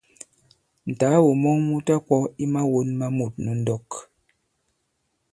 Ǹtàagò mɔn mu ta-kwɔ̄ i mawōn ma mût nu ndɔk.